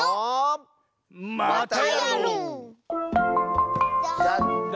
またやろう！